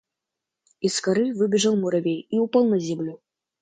Из коры выбежал муравей и упал на землю.